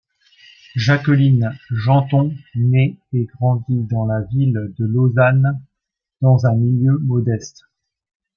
Jacqueline Genton naît et grandit dans la ville de Lausanne, dans un milieu modeste.